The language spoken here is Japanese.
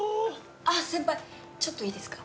あっ先輩ちょっといいですか？